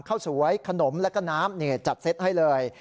ข้าวสวยขนมแล้วก็น้ำจัดเซตให้เลย